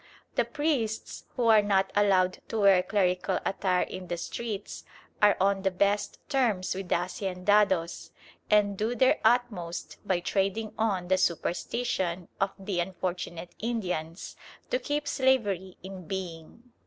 The priests, who are not allowed to wear clerical attire in the streets, are on the best terms with the haciendados, and do their utmost, by trading on the superstition of the unfortunate Indians, to keep slavery in being.